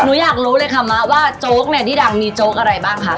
หนูอยากรู้เลยค่ะมะว่าโจ๊กเนี่ยที่ดังมีโจ๊กอะไรบ้างคะ